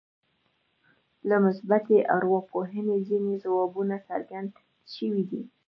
له مثبتې ارواپوهنې ځينې ځوابونه څرګند شوي دي.